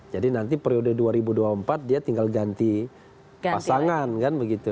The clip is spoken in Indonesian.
jadi nanti periode dua ribu dua puluh empat dia tinggal ganti pasangan